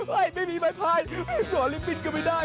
เฮ่ยไม่มีไม้พลายหนอนริบบินกันไม่ได้